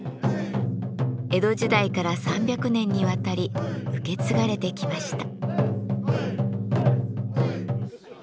江戸時代から３００年にわたり受け継がれてきました。